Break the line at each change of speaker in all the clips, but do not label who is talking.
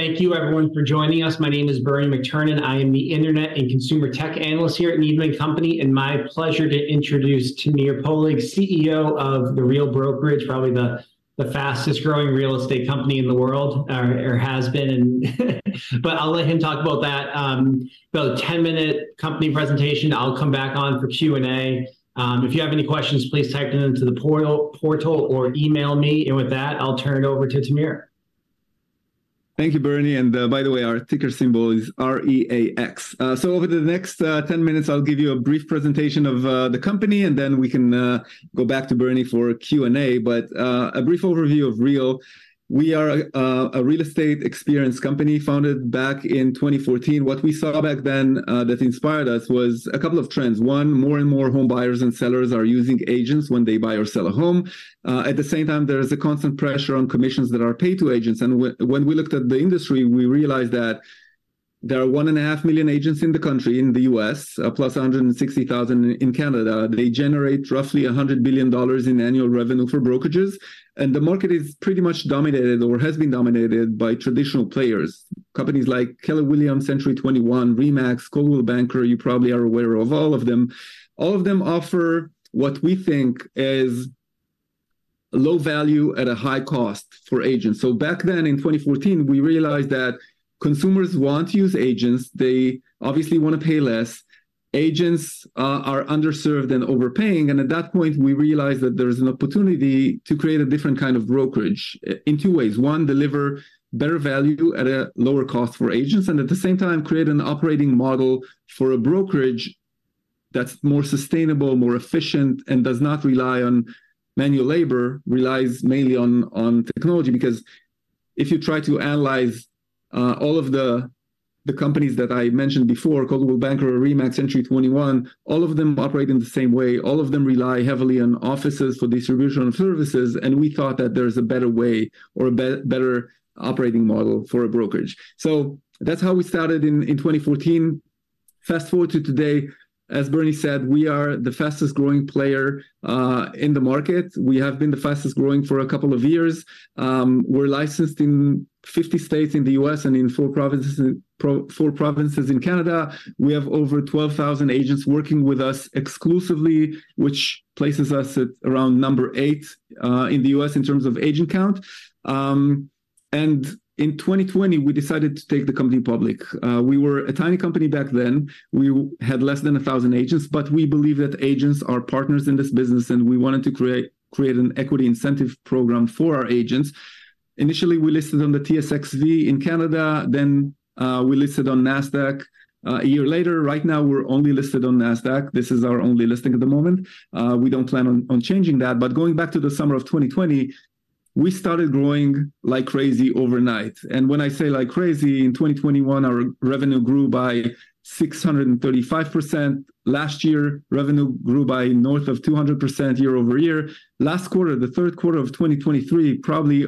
Thank you, everyone, for joining us. My name is Bernie McTernan. I am the internet and consumer tech analyst here at Needham & Company, and my pleasure to introduce Tamir Poleg, CEO of the Real Brokerage, probably the fastest growing real estate company in the world, or has been, but I'll let him talk about that. About a 10-minute company presentation. I'll come back on for Q&A. If you have any questions, please type them into the portal or email me, and with that, I'll turn it over to Tamir.
Thank you, Bernie, and by the way, our ticker symbol is REAX. So over the next 10 minutes, I'll give you a brief presentation of the company, and then we can go back to Bernie for Q&A. But a brief overview of Real: We are a real estate experience company founded back in 2014. What we saw back then that inspired us was a couple of trends. One, more and more home buyers and sellers are using agents when they buy or sell a home. At the same time, there is a constant pressure on commissions that are paid to agents, and when we looked at the industry, we realized that there are 1.5 million agents in the country, in the U.S., plus 160,000 in Canada. They generate roughly $100 billion in annual revenue for brokerages, and the market is pretty much dominated or has been dominated by traditional players, companies like Keller Williams, Century 21, RE/MAX, Coldwell Banker. You probably are aware of all of them. All of them offer what we think is low value at a high cost for agents. So back then, in 2014, we realized that consumers want to use agents. They obviously wanna pay less. Agents are underserved and overpaying, and at that point, we realized that there is an opportunity to create a different kind of brokerage in two ways. One, deliver better value at a lower cost for agents, and at the same time, create an operating model for a brokerage that's more sustainable, more efficient, and does not rely on manual labor, relies mainly on technology. Because if you try to analyze all of the companies that I mentioned before, Coldwell Banker, RE/MAX, Century 21, all of them operate in the same way. All of them rely heavily on offices for distribution of services, and we thought that there's a better way or a better operating model for a brokerage. So that's how we started in 2014. Fast-forward to today, as Bernie said, we are the fastest-growing player in the market. We have been the fastest-growing for a couple of years. We're licensed in 50 states in the U.S. and in 4 provinces in Canada. We have over 12,000 agents working with us exclusively, which places us at around number 8 in the U.S. in terms of agent count. And in 2020, we decided to take the company public. We were a tiny company back then. We had less than 1,000 agents, but we believe that agents are partners in this business, and we wanted to create an equity incentive program for our agents. Initially, we listed on the TSXV in Canada, then we listed on NASDAQ a year later. Right now, we're only listed on NASDAQ. This is our only listing at the moment. We don't plan on changing that. But going back to the summer of 2020, we started growing like crazy overnight, and when I say like crazy, in 2021, our revenue grew by 635%. Last year, revenue grew by north of 200% year-over-year. Last quarter, the third quarter of 2023, probably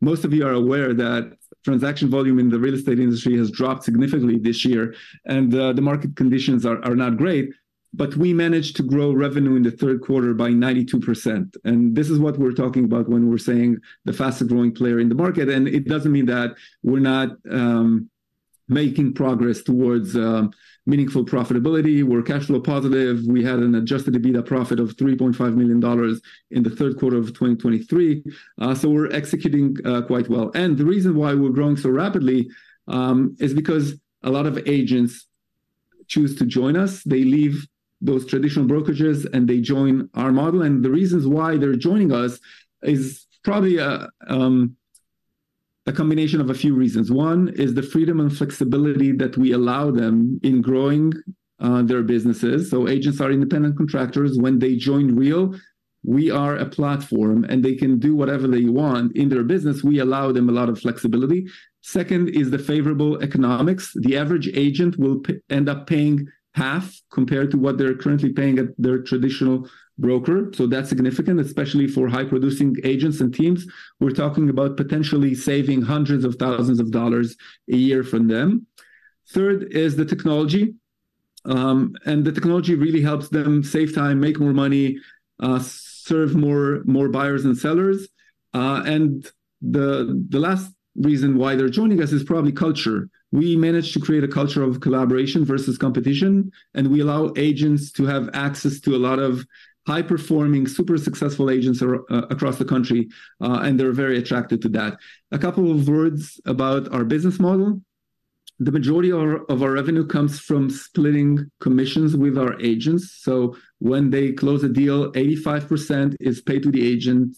most of you are aware that transaction volume in the real estate industry has dropped significantly this year, and the market conditions are not great, but we managed to grow revenue in the third quarter by 92%, and this is what we're talking about when we're saying the fastest-growing player in the market. It doesn't mean that we're not making progress towards meaningful profitability. We're cash flow positive. We had an adjusted EBITDA profit of $3.5 million in the third quarter of 2023. So we're executing quite well. The reason why we're growing so rapidly is because a lot of agents choose to join us. They leave those traditional brokerages, and they join our model, and the reasons why they're joining us is probably a combination of a few reasons. One is the freedom and flexibility that we allow them in growing their businesses. So agents are independent contractors. When they join Real, we are a platform, and they can do whatever they want in their business. We allow them a lot of flexibility. Second is the favorable economics. The average agent will end up paying half compared to what they're currently paying at their traditional broker, so that's significant, especially for high-producing agents and teams. We're talking about potentially saving $hundreds of thousands a year from them. Third is the technology, and the technology really helps them save time, make more money, serve more buyers and sellers. And the last reason why they're joining us is probably culture. We managed to create a culture of collaboration versus competition, and we allow agents to have access to a lot of high-performing, super successful agents across the country, and they're very attracted to that. A couple of words about our business model. The majority of our revenue comes from splitting commissions with our agents. So when they close a deal, 85% is paid to the agent,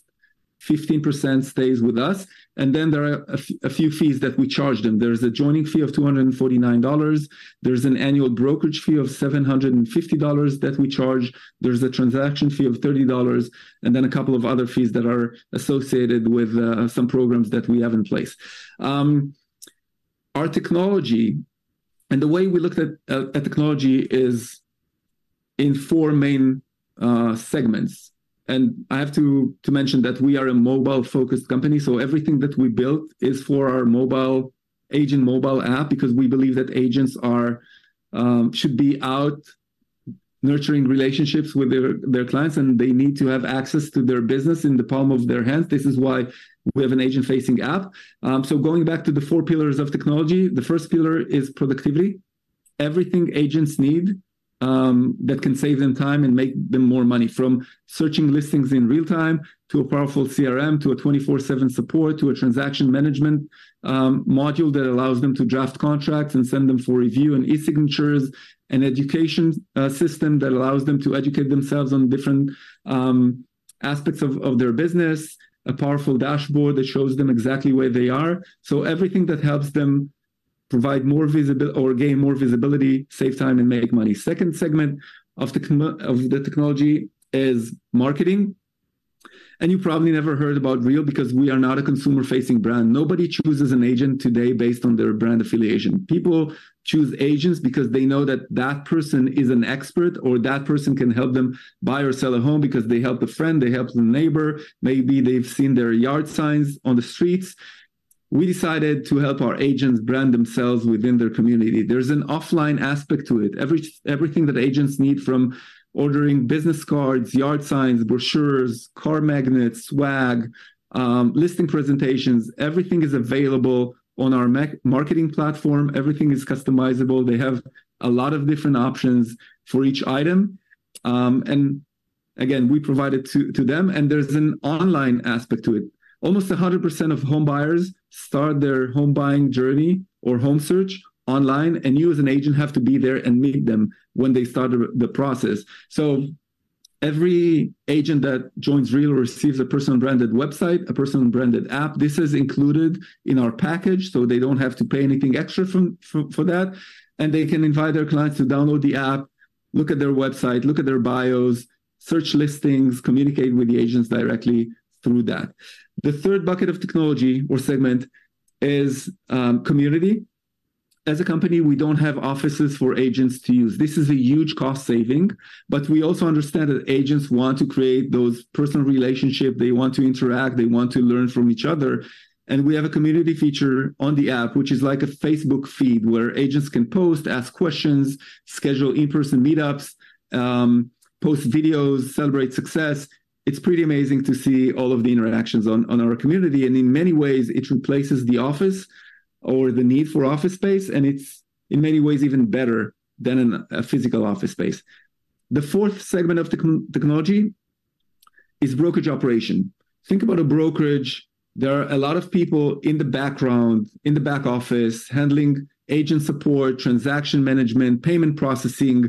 15% stays with us, and then there are a few fees that we charge them. There's a joining fee of $249. There's an annual brokerage fee of $750 that we charge. There's a transaction fee of $30, and then a couple of other fees that are associated with some programs that we have in place. Our technology and the way we look at technology is in four main segments, and I have to mention that we are a mobile-focused company, so everything that we built is for our mobile agent mobile app because we believe that agents should be out nurturing relationships with their clients, and they need to have access to their business in the palm of their hands. This is why we have an agent-facing app. So going back to the four pillars of technology, the first pillar is productivity. Everything agents need, that can save them time and make them more money, from searching listings in real time, to a powerful CRM, to a 24/7 support, to a transaction management module that allows them to draft contracts and send them for review and e-signatures, an education system that allows them to educate themselves on different aspects of, of their business, a powerful dashboard that shows them exactly where they are. So everything that helps them provide more visibil- or gain more visibility, save time, and make money. Second segment of the com- of the technology is marketing. And you probably never heard about Real because we are not a consumer-facing brand. Nobody chooses an agent today based on their brand affiliation. People choose agents because they know that that person is an expert or that person can help them buy or sell a home because they helped a friend, they helped a neighbor, maybe they've seen their yard signs on the streets. We decided to help our agents brand themselves within their community. There's an offline aspect to it. Everything that agents need from ordering business cards, yard signs, brochures, car magnets, swag, listing presentations, everything is available on our marketing platform. Everything is customizable. They have a lot of different options for each item. And again, we provide it to them, and there's an online aspect to it. Almost 100% of home buyers start their home buying journey or home search online, and you as an agent have to be there and meet them when they start the process. So every agent that joins Real receives a personal branded website, a personal branded app. This is included in our package, so they don't have to pay anything extra for that, and they can invite their clients to download the app, look at their website, look at their bios, search listings, communicate with the agents directly through that. The third bucket of technology or segment is community. As a company, we don't have offices for agents to use. This is a huge cost saving, but we also understand that agents want to create those personal relationship, they want to interact, they want to learn from each other. And we have a community feature on the app, which is like a Facebook feed, where agents can post, ask questions, schedule in-person meetups, post videos, celebrate success. It's pretty amazing to see all of the interactions on, on our community, and in many ways, it replaces the office or the need for office space, and it's in many ways even better than an, a physical office space. The fourth segment of technology is brokerage operation. Think about a brokerage. There are a lot of people in the background, in the back office, handling agent support, transaction management, payment processing. We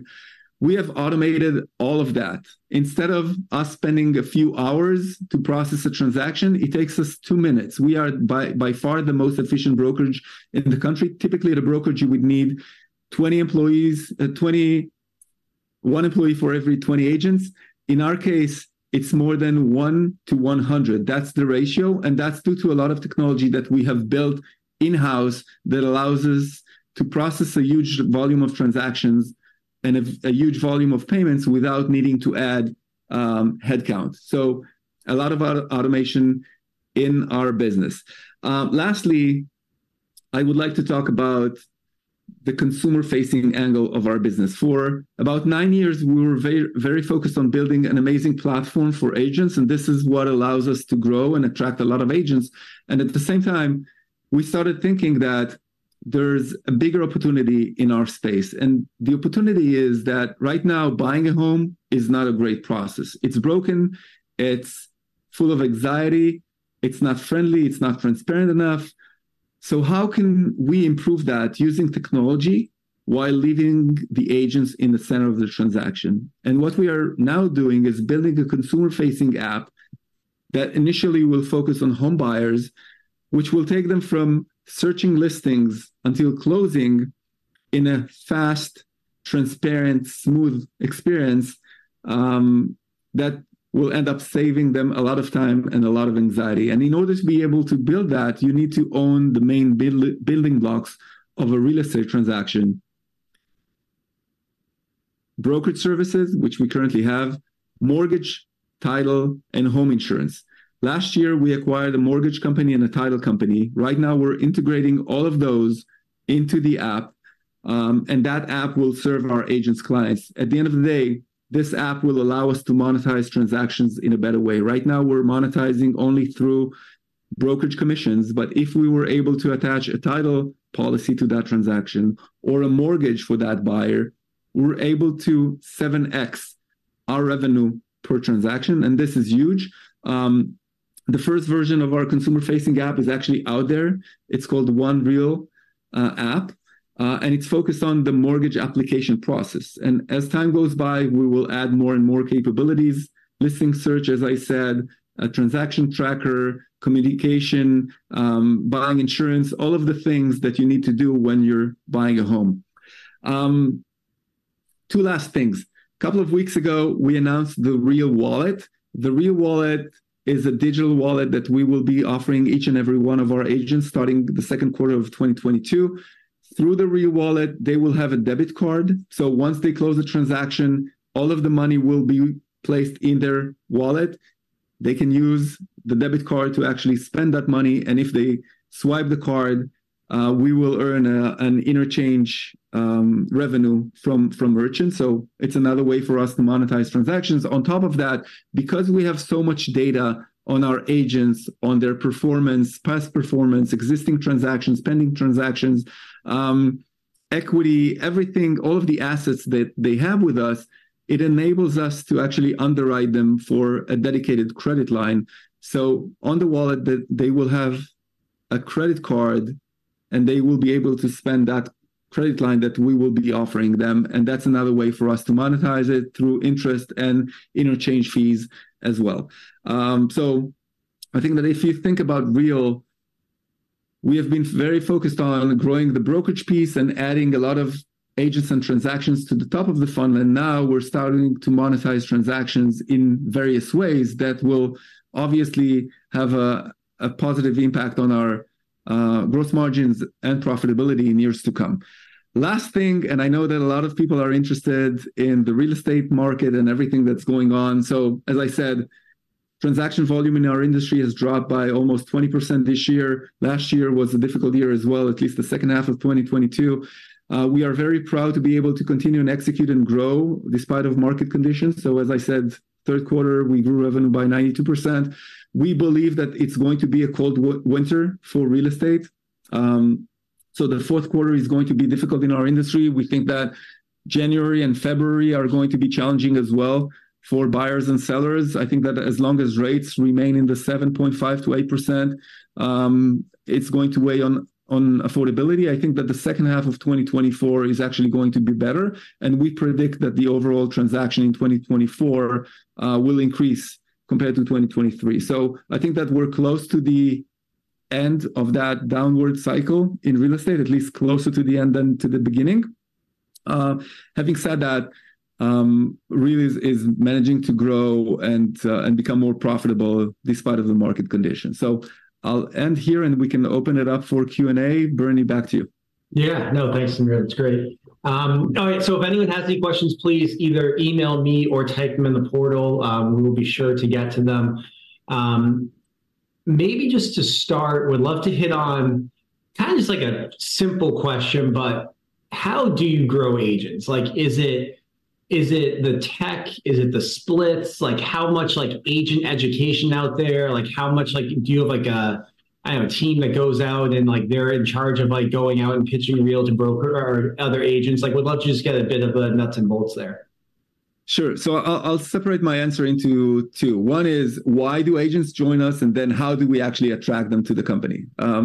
have automated all of that. Instead of us spending a few hours to process a transaction, it takes us 2 minutes. We are by far the most efficient brokerage in the country. Typically, at a brokerage, you would need 20 employees, one employee for every 20 agents. In our case, it's more than one to 100. That's the ratio, and that's due to a lot of technology that we have built in-house that allows us to process a huge volume of transactions and a huge volume of payments without needing to add headcount. So a lot of our automation in our business. Lastly, I would like to talk about the consumer-facing angle of our business. For about nine years, we were very, very focused on building an amazing platform for agents, and this is what allows us to grow and attract a lot of agents. And at the same time, we started thinking that there's a bigger opportunity in our space, and the opportunity is that right now, buying a home is not a great process. It's broken, it's full of anxiety, it's not friendly, it's not transparent enough. How can we improve that using technology while leaving the agents in the center of the transaction? What we are now doing is building a consumer-facing app that initially will focus on home buyers, which will take them from searching listings until closing in a fast, transparent, smooth experience, that will end up saving them a lot of time and a lot of anxiety. In order to be able to build that, you need to own the main building blocks of a real estate transaction: brokerage services, which we currently have, mortgage, title, and home insurance. Last year, we acquired a mortgage company and a title company. Right now, we're integrating all of those into the app, and that app will serve our agents' clients. At the end of the day, this app will allow us to monetize transactions in a better way. Right now, we're monetizing only through brokerage commissions, but if we were able to attach a title policy to that transaction or a mortgage for that buyer, we're able to 7x our revenue per transaction, and this is huge. The first version of our consumer-facing app is actually out there. It's called One Real App, and it's focused on the mortgage application process. And as time goes by, we will add more and more capabilities, listing search, as I said, a transaction tracker, communication, buying insurance, all of the things that you need to do when you're buying a home. Two last things. Couple of weeks ago, we announced the Real Wallet. The Real Wallet is a digital wallet that we will be offering each and every one of our agents, starting the second quarter of 2022. Through the Real Wallet, they will have a debit card, so once they close a transaction, all of the money will be placed in their wallet. They can use the debit card to actually spend that money, and if they swipe the card, we will earn an interchange revenue from merchants. So it's another way for us to monetize transactions. On top of that, because we have so much data on our agents, on their performance, past performance, existing transactions, pending transactions, equity, everything, all of the assets that they have with us, it enables us to actually underwrite them for a dedicated credit line. So on the wallet, that they will have a credit card, and they will be able to spend that credit line that we will be offering them, and that's another way for us to monetize it through interest and interchange fees as well. So I think that if you think about Real, we have been very focused on growing the brokerage piece and adding a lot of agents and transactions to the top of the funnel, and now we're starting to monetize transactions in various ways that will obviously have a positive impact on our gross margins and profitability in years to come. Last thing, and I know that a lot of people are interested in the real estate market and everything that's going on. So as I said, transaction volume in our industry has dropped by almost 20% this year. Last year was a difficult year as well, at least the second half of 2022. We are very proud to be able to continue, and execute, and grow despite of market conditions. So as I said, third quarter, we grew revenue by 92%. We believe that it's going to be a cold winter for real estate. So the fourth quarter is going to be difficult in our industry. We think that January and February are going to be challenging as well for buyers and sellers. I think that as long as rates remain in the 7.5%-8%, it's going to weigh on affordability. I think that the second half of 2024 is actually going to be better, and we predict that the overall transaction in 2024 will increase compared to 2023. So I think that we're close to the end of that downward cycle in real estate, at least closer to the end than to the beginning. Having said that, Real is managing to grow and become more profitable despite of the market conditions. So I'll end here, and we can open it up for Q&A. Bernie, back to you.
Yeah. No, thanks, Tamir. That's great. All right, so if anyone has any questions, please either email me or type them in the portal. We will be sure to get to them. Maybe just to start, would love to hit on kind of just like a simple question, but how do you grow agents? Like, is it, is it the tech? Is it the splits? Like, how much, like, agent education out there, like, how much... Like, do you have, like, a, I don't know, a team that goes out and, like, they're in charge of, like, going out and pitching Real to brokers or other agents? Like, would love to just get a bit of the nuts and bolts there.
Sure. So I'll separate my answer into two. One is, why do agents join us? And then, how do we actually attract them to the company? I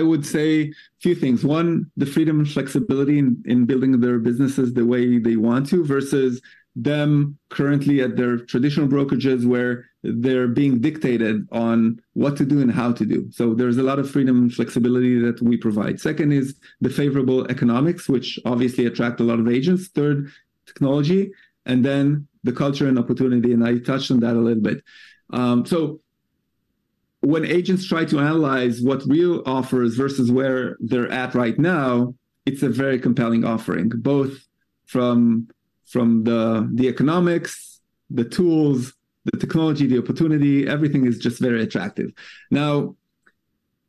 would say a few things. One, the freedom and flexibility in building their businesses the way they want to, versus them currently at their traditional brokerages, where they're being dictated on what to do and how to do. So there's a lot of freedom and flexibility that we provide. Second is the favorable economics, which obviously attract a lot of agents. Third, technology, and then the culture and opportunity, and I touched on that a little bit. So when agents try to analyze what Real offers versus where they're at right now, it's a very compelling offering, both from the economics, the tools, the technology, the opportunity, everything is just very attractive. Now,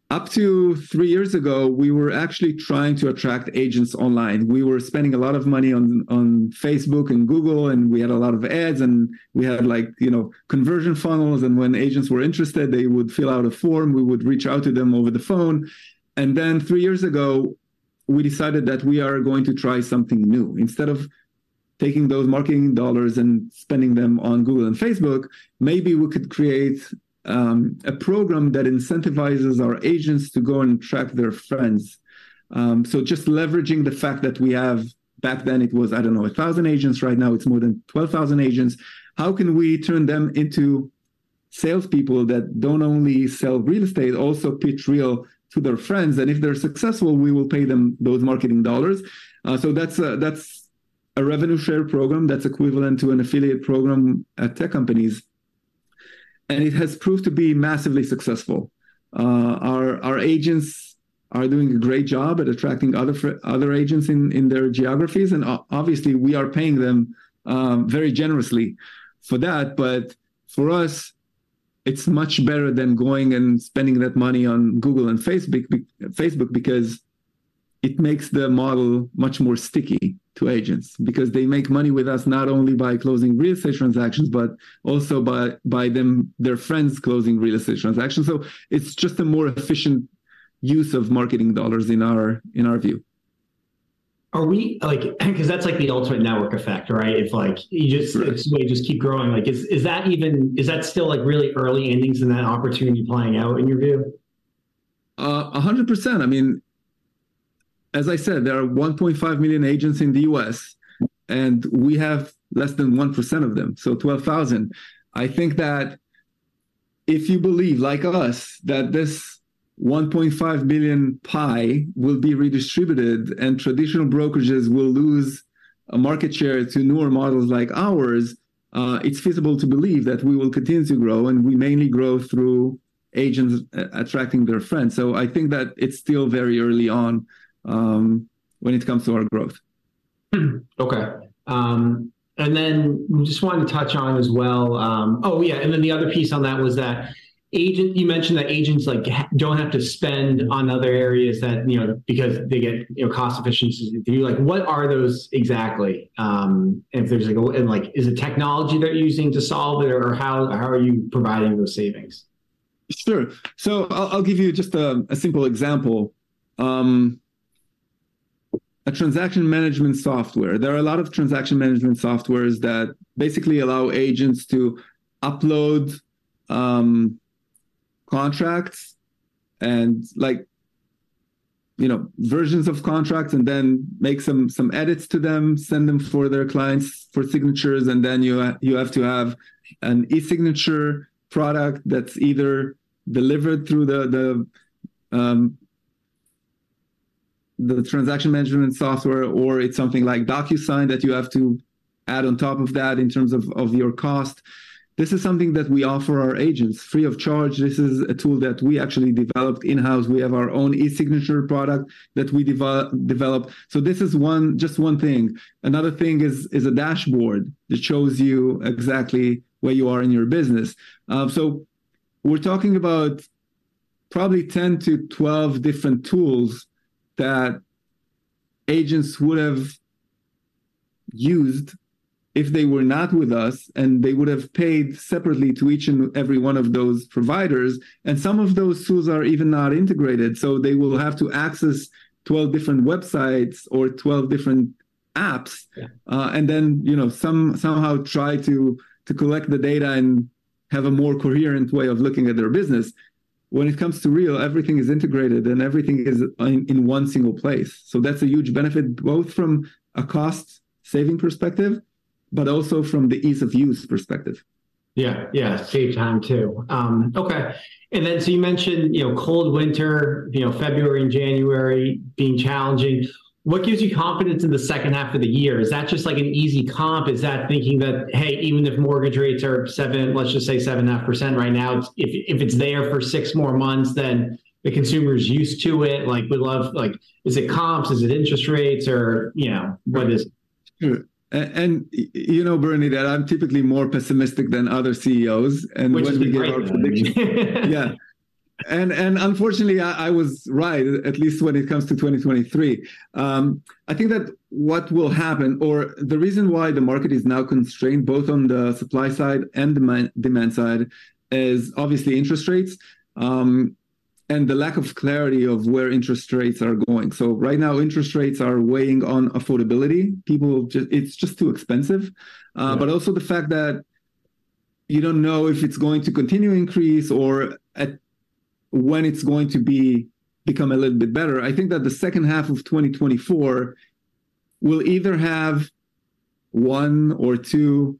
up to three years ago, we were actually trying to attract agents online. We were spending a lot of money on Facebook and Google, and we had a lot of ads, and we had, like, you know, conversion funnels, and when agents were interested, they would fill out a form. We would reach out to them over the phone. And then three years ago, we decided that we are going to try something new. Instead of taking those marketing dollars and spending them on Google and Facebook, maybe we could create a program that incentivizes our agents to go and attract their friends. So just leveraging the fact that we have... Back then, it was, I don't know, 1,000 agents. Right now, it's more than 12,000 agents. How can we turn them into salespeople that don't only sell real estate, also pitch Real to their friends, and if they're successful, we will pay them those marketing dollars? So that's a revenue share program that's equivalent to an affiliate program at tech companies, and it has proved to be massively successful. Our agents are doing a great job at attracting other agents in their geographies, and obviously, we are paying them very generously for that. But for us, it's much better than going and spending that money on Google and Facebook, because it makes the model much more sticky to agents. Because they make money with us, not only by closing real estate transactions, but also by their friends closing real estate transactions. So it's just a more efficient use of marketing dollars in our view.
Like, because that's, like, the ultimate network effect, right? If, like, you just-
Sure.
It may just keep growing. Like, is that even? Is that still, like, really early innings in that opportunity playing out, in your view?
100%. I mean, as I said, there are 1.5 million agents in the U.S., and we have less than 1% of them, so 12,000. I think that if you believe, like us, that this 1.5 million pie will be redistributed and traditional brokerages will lose a market share to newer models like ours, it's feasible to believe that we will continue to grow, and we mainly grow through agents attracting their friends. So I think that it's still very early on, when it comes to our growth....
Okay. And then just wanted to touch on as well... Oh, yeah, and then the other piece on that was that agent, you mentioned that agents, like, don't have to spend on other areas that, you know, because they get, you know, cost efficiencies. Do you, like, what are those exactly? If there's like, and, like, is it technology they're using to solve it, or, or how, how are you providing those savings?
Sure. So I'll give you just a simple example. A transaction management software. There are a lot of transaction management softwares that basically allow agents to upload contracts and, like, you know, versions of contracts, and then make some edits to them, send them for their clients for signatures, and then you have to have an e-signature product that's either delivered through the transaction management software, or it's something like DocuSign that you have to add on top of that in terms of your cost. This is something that we offer our agents free of charge. This is a tool that we actually developed in-house. We have our own e-signature product that we developed. So this is one, just one thing. Another thing is a dashboard that shows you exactly where you are in your business. So, we're talking about probably 10-12 different tools that agents would have used if they were not with us, and they would've paid separately to each and every one of those providers. Some of those tools are even not integrated, so they will have to access 12 different websites or 12 different apps.
Yeah...
and then, you know, somehow try to collect the data and have a more coherent way of looking at their business. When it comes to Real, everything is integrated, and everything is in one single place. So that's a huge benefit, both from a cost-saving perspective, but also from the ease of use perspective.
Yeah. Yeah, save time, too. Okay. And then, so you mentioned, you know, cold winter, you know, February and January being challenging. What gives you confidence in the second half of the year? Is that just like an easy comp? Is that thinking that, hey, even if mortgage rates are 7, let's just say 7.5% right now, if it's there for 6 more months, then the consumer's used to it, like, we love... Like, is it comps, is it interest rates, or, you know, what is it?
Sure. You know, Bernie, that I'm typically more pessimistic than other CEOs, and when we give our prediction-
Which is great for me.
Yeah. And unfortunately, I was right, at least when it comes to 2023. I think that what will happen, or the reason why the market is now constrained, both on the supply side and demand side, is obviously interest rates, and the lack of clarity of where interest rates are going. So right now, interest rates are weighing on affordability. People just... It's just too expensive.
Yeah.
But also the fact that you don't know if it's going to continue to increase or when it's going to become a little bit better. I think that the second half of 2024 will either have one or two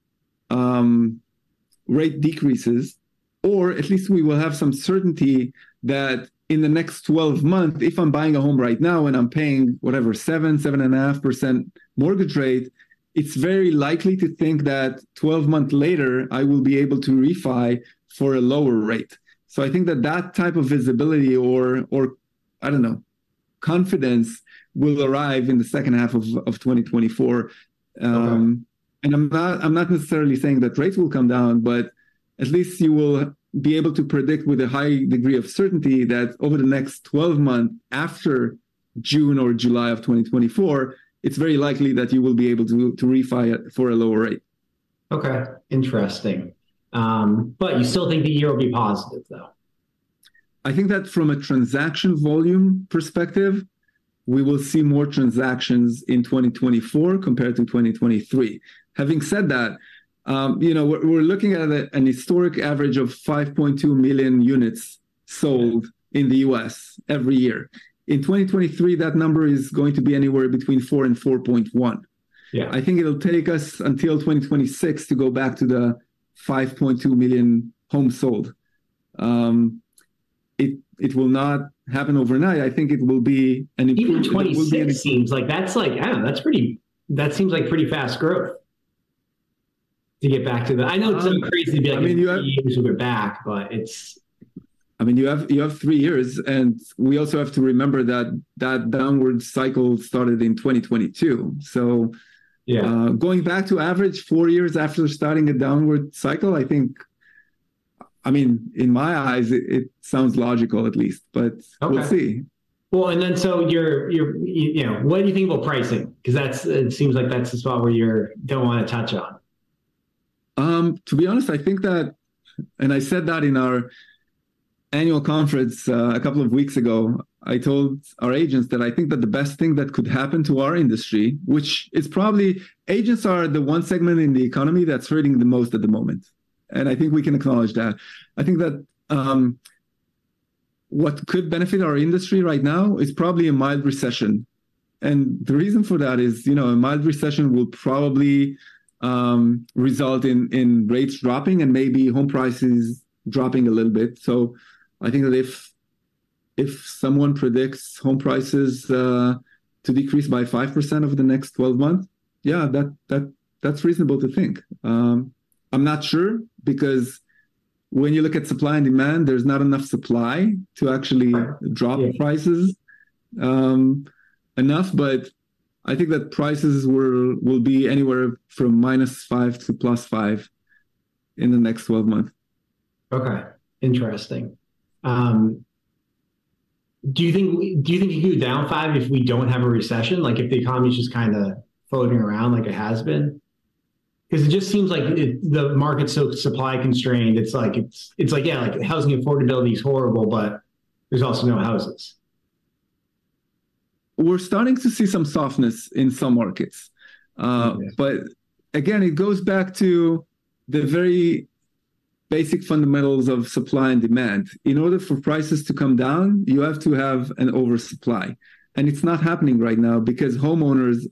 rate decreases, or at least we will have some certainty that in the next 12 months, if I'm buying a home right now, and I'm paying, whatever, 7%-7.5% mortgage rate, it's very likely to think that 12 months later, I will be able to refi for a lower rate. So I think that that type of visibility or, I don't know, confidence, will arrive in the second half of 2024.
Okay...
and I'm not, I'm not necessarily saying that rates will come down, but at least you will be able to predict with a high degree of certainty that over the next 12 months, after June or July of 2024, it's very likely that you will be able to, to refi at, for a lower rate.
Okay. Interesting. But you still think the year will be positive, though?
I think that from a transaction volume perspective, we will see more transactions in 2024 compared to 2023. Having said that, you know, we're looking at an historic average of 5.2 million units sold-
Yeah...
in the U.S. every year. In 2023, that number is going to be anywhere between 4 and 4.1.
Yeah.
I think it'll take us until 2026 to go back to the 5.2 million homes sold. It will not happen overnight. I think it will be an improvement-
Even 2026 seems, like, that's, like... I don't know, that's pretty, that seems like pretty fast growth to get back to the-
Um-
I know it's crazy to be, like-
I mean, you have-...
years back, but it's-
I mean, you have, you have three years, and we also have to remember that that downward cycle started in 2022. So-
Yeah...
going back to average four years after starting a downward cycle, I think... I mean, in my eyes, it sounds logical at least, but-
Okay...
we'll see.
Well, you're you know... What do you think about pricing? 'Cause that's, it seems like that's the spot where you don't wanna touch on.
To be honest, I think that, and I said that in our annual conference, a couple of weeks ago. I told our agents that I think that the best thing that could happen to our industry, which is probably, agents are the one segment in the economy that's hurting the most at the moment, and I think we can acknowledge that. I think that, what could benefit our industry right now is probably a mild recession, and the reason for that is, you know, a mild recession will probably result in, in rates dropping and maybe home prices dropping a little bit. So I think that if, if someone predicts home prices to decrease by 5% over the next 12 months, yeah, that, that's reasonable to think. I'm not sure because-... When you look at supply and demand, there's not enough supply to actually drop the prices enough. But I think that prices will be anywhere from -5% to +5% in the next 12 months.
Okay. Interesting. Do you think, do you think it could go down 5 if we don't have a recession? Like, if the economy's just kinda floating around like it has been? 'Cause it just seems like it, the market's so supply-constrained, it's like, it's, it's like, yeah, like, housing affordability is horrible, but there's also no houses.
We're starting to see some softness in some markets.
Okay.
But again, it goes back to the very basic fundamentals of supply and demand. In order for prices to come down, you have to have an oversupply, and it's not happening right now because homeowners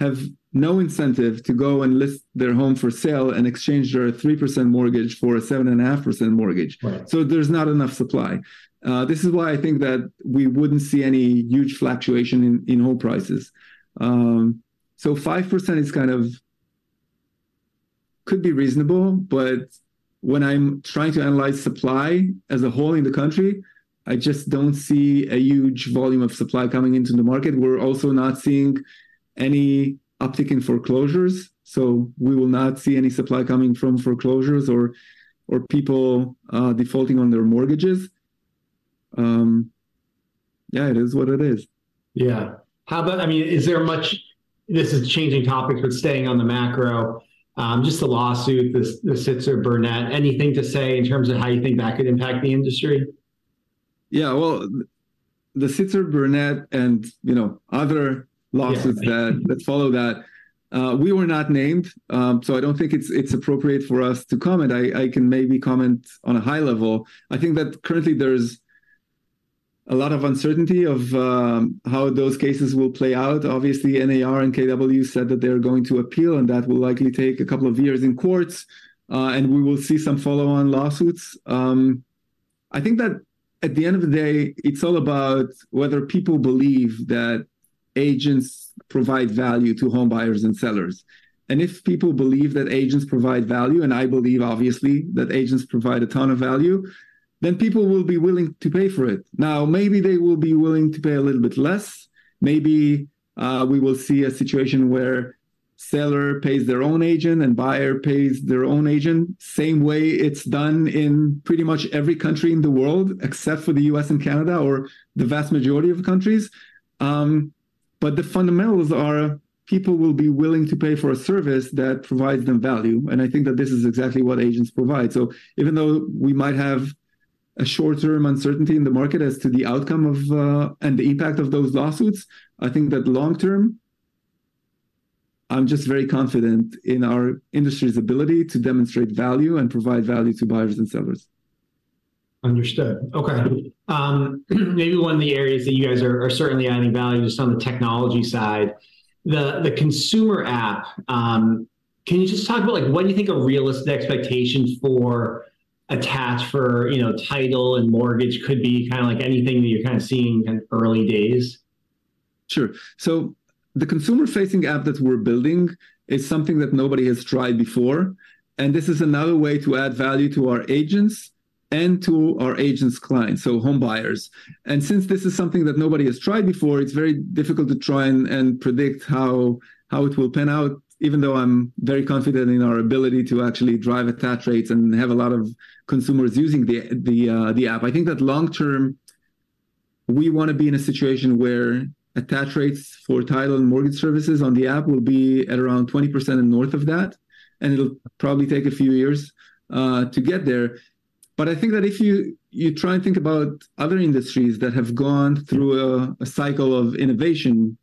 have no incentive to go and list their home for sale and exchange their 3% mortgage for a 7.5% mortgage.
Right.
So there's not enough supply. This is why I think that we wouldn't see any huge fluctuation in home prices. So 5% is kind of... could be reasonable, but when I'm trying to analyze supply as a whole in the country, I just don't see a huge volume of supply coming into the market. We're also not seeing any uptick in foreclosures, so we will not see any supply coming from foreclosures or people defaulting on their mortgages. Yeah, it is what it is.
Yeah. How about, I mean, is there much... This is changing topics, but staying on the macro. Just the lawsuit, the Sitzer/Burnett, anything to say in terms of how you think that could impact the industry?
Yeah, well, the Sitzer/Burnett, and, you know, other lawsuits.
Yeah
we were not named, so I don't think it's appropriate for us to comment. I can maybe comment on a high level. I think that currently there's a lot of uncertainty of how those cases will play out. Obviously, NAR and KW said that they're going to appeal, and that will likely take a couple of years in courts, and we will see some follow-on lawsuits. I think that at the end of the day, it's all about whether people believe that agents provide value to home buyers and sellers. And if people believe that agents provide value, and I believe, obviously, that agents provide a ton of value, then people will be willing to pay for it. Now, maybe they will be willing to pay a little bit less. Maybe, we will see a situation where seller pays their own agent and buyer pays their own agent, same way it's done in pretty much every country in the world, except for the U.S. and Canada, or the vast majority of countries. But the fundamentals are, people will be willing to pay for a service that provides them value, and I think that this is exactly what agents provide. So even though we might have a short-term uncertainty in the market as to the outcome of, and the impact of those lawsuits, I think that long term, I'm just very confident in our industry's ability to demonstrate value and provide value to buyers and sellers.
Understood. Okay. Maybe one of the areas that you guys are, are certainly adding value, just on the technology side, the consumer app. Can you just talk about, like, what do you think a realistic expectation for attach for, you know, title and mortgage could be, kinda like anything that you're kinda seeing in early days?
Sure. So the consumer-facing app that we're building is something that nobody has tried before, and this is another way to add value to our agents and to our agents' clients, so home buyers. And since this is something that nobody has tried before, it's very difficult to try and predict how it will pan out, even though I'm very confident in our ability to actually drive attach rates and have a lot of consumers using the app. I think that long term, we wanna be in a situation where attach rates for title and mortgage services on the app will be at around 20% and north of that, and it'll probably take a few years to get there. But I think that if you try and think about other industries that have gone through a cycle of innovation,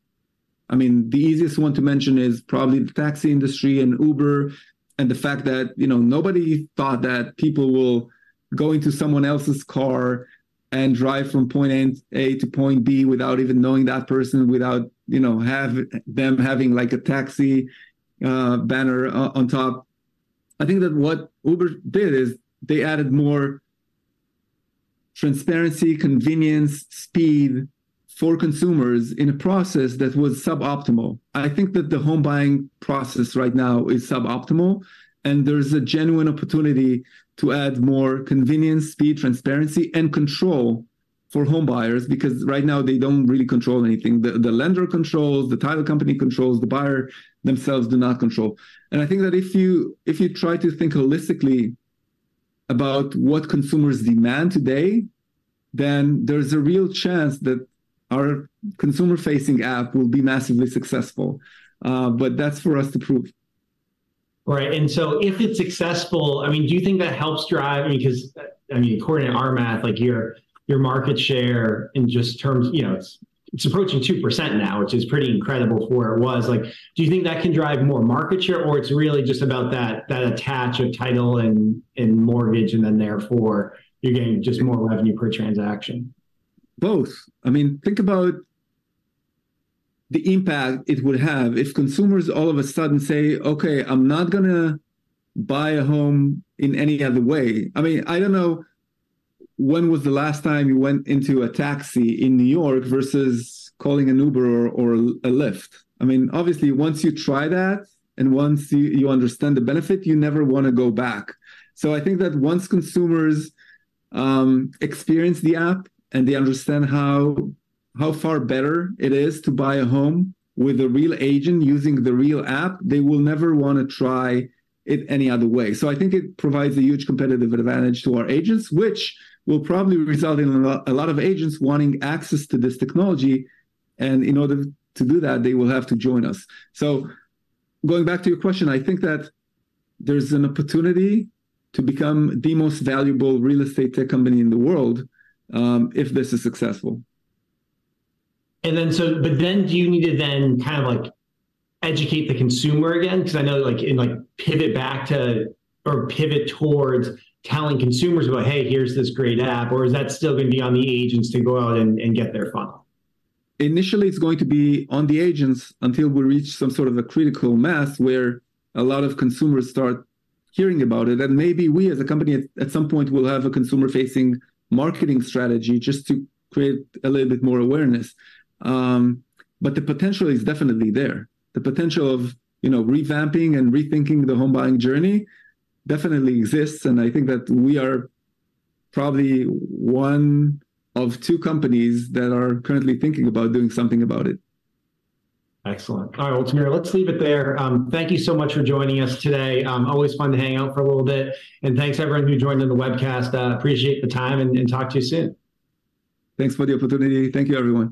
I mean, the easiest one to mention is probably the taxi industry and Uber, and the fact that, you know, nobody thought that people will go into someone else's car and drive from point A to point B without even knowing that person, without, you know, them having, like, a taxi banner on top. I think that what Uber did is they added more transparency, convenience, speed for consumers in a process that was suboptimal. I think that the home buying process right now is suboptimal, and there's a genuine opportunity to add more convenience, speed, transparency, and control for home buyers because right now they don't really control anything. The lender controls, the title company controls, the buyer themselves do not control. I think that if you, if you try to think holistically about what consumers demand today, then there's a real chance that our consumer-facing app will be massively successful. But that's for us to prove.
Right. And so if it's successful, I mean, do you think that helps drive... Because, I mean, according to our math, like, your, your market share in just terms, you know, it's, it's approaching 2% now, which is pretty incredible for where it was. Like, do you think that can drive more market share, or it's really just about that, that attach of title and, and mortgage, and then therefore you're getting just more revenue per transaction?
Both. I mean, think about the impact it would have if consumers all of a sudden say, "Okay, I'm not gonna buy a home in any other way." I mean, I don't know when was the last time you went into a taxi in New York versus calling an Uber or, or a Lyft. I mean, obviously, once you try that, and once you, you understand the benefit, you never wanna go back. So I think that once consumers experience the app, and they understand how, how far better it is to buy a home with a real agent using the Real app, they will never wanna try it any other way. So I think it provides a huge competitive advantage to our agents, which will probably result in a lot, a lot of agents wanting access to this technology, and in order to do that, they will have to join us. So going back to your question, I think that there's an opportunity to become the most valuable real estate tech company in the world, if this is successful.
But then, do you need to then kind of, like, educate the consumer again? 'Cause I know, like, in, like, pivot back to, or pivot towards telling consumers about, "Hey, here's this great app," or is that still gonna be on the agents to go out and get their funnel?
Initially, it's going to be on the agents until we reach some sort of a critical mass, where a lot of consumers start hearing about it. Maybe we as a company at some point will have a consumer-facing marketing strategy just to create a little bit more awareness. But the potential is definitely there. The potential of, you know, revamping and rethinking the home buying journey definitely exists, and I think that we are probably one of two companies that are currently thinking about doing something about it.
Excellent. All right, Tamir, let's leave it there. Thank you so much for joining us today. Always fun to hang out for a little bit. And thanks everyone who joined in the webcast. Appreciate the time, and talk to you soon.
Thanks for the opportunity. Thank you, everyone.